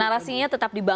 narasinya tetap di bawah